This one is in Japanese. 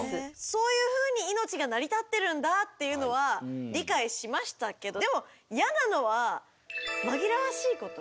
そういうふうに命が成り立ってるんだっていうのは理解しましたけどでも嫌なのは紛らわしいこと。